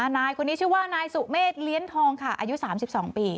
นายคนนี้ชื่อว่านายสุเมฆเลี้ยงทองค่ะอายุ๓๒ปี